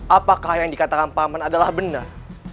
apakah yang dikatakan paman adalah benar